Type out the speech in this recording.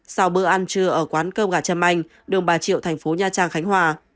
sau bữa ăn trưa ở quán cơm gà trâm anh đường bà triệu thành phố nha trang khánh hòa